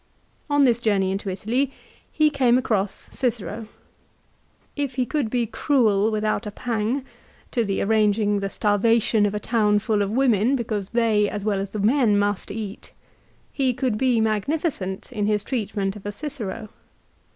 On this journey into Italy he came across Cicero. If he could be cruel without a pang, to the arranging the starvation of a townful of women because AFTER THE BATTLE. 161 they as well as tlie men must eat, lie could be magnificent in his treatment of a Cicero.